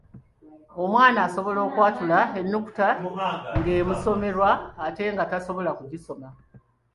Omwana asobola okwatula ennukuta ng’emusomerwa ate nga tasobola kugisoma.